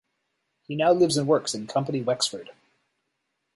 He now lives and works in Company Wexford.